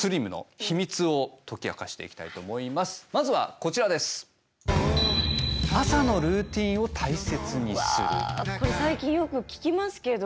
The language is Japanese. これ最近よく聞きますけど。